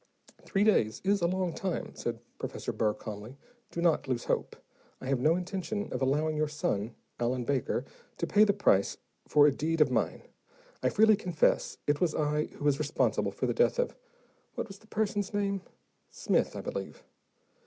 "Three days is a long time," said Professor Burr calmly. "Do not lose hope: I have no intention of allowing your son, Allen Baker, to pay the price for a deed of mine. I freely confess it was I who was responsible for the death of what was the person's name? Smith, I believe."